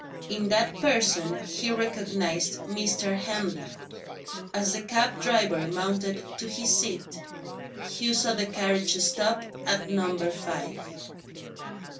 In that person he recognised Mr. Henley. As the cab driver mounted to his seat, Hugh saw the carriage stop at Number Five.